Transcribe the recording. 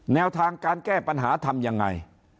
แนวทางการแก้ปัญหาทำยังไง